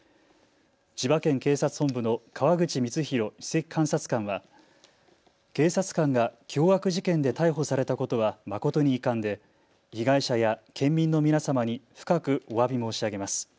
千葉県警察本部の川口光浩首席監察官は警察官が凶悪事件で逮捕されたことは誠に遺憾で被害者や県民の皆様に深くおわび申し上げます。